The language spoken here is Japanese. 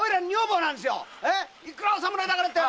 いくらお侍だからって！